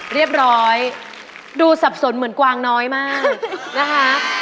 เรียบร้อยดูสับสนเหมือนกวางน้อยมากนะคะ